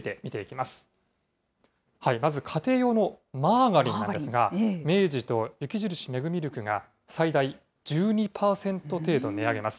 まず家庭用のマーガリンなんですが、明治と雪印メグミルクが最大１２％程度値上げます。